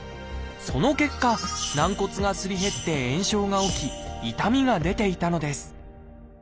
その結果軟骨がすり減って炎症が起き痛みが出ていたのです。